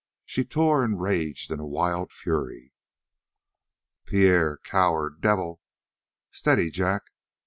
She tore and raged in a wild fury. "Pierre, coward, devil!" "Steady, Jack!"